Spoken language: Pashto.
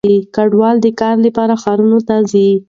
کډوال د کار لپاره ښارونو ته ځي.